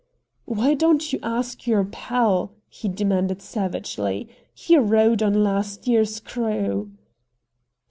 "Why don't you ask your pal?" he demanded savagely; "he rowed on last year's crew."